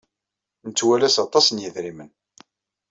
Nettwalas aṭas n yidrimen.